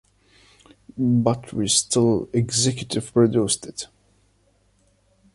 But we still executive produced it.